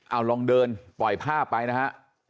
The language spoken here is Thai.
เอาลองเดินปล่อยภาพไปนะฮะ